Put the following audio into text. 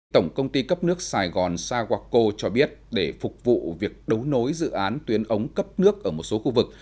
tổng công ty cấp nước sài gòn sawako cho biết để phục vụ việc đấu nối dự án tuyến ống cấp nước ở một số khu vực